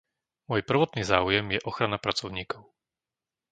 Môj prvotný záujem je ochrana pracovníkov.